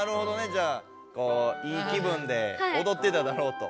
じゃあこういい気分でおどってただろうと。